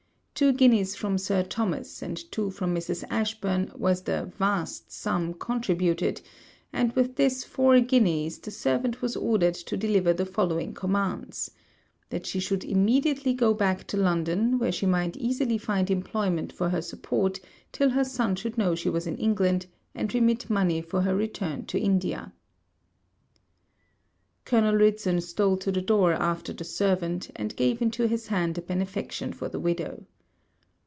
Two guineas from Sir Thomas, and two from Mrs. Ashburn was the vast sum contributed; and, with this four guineas, the servant was ordered to deliver the following commands: That she should immediately go back to London, where she might easily find employment for her support, till her son should know she was in England, and remit money for her return to India. Colonel Ridson stole to the door after the servant, and gave into his hand a benefaction for the widow.